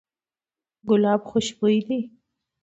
ګلاب خوشبوی دی.